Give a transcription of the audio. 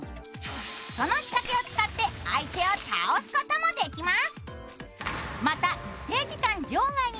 その仕掛けを使って相手を倒すこともできます。